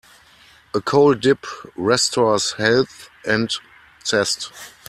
A cold dip restores health and zest.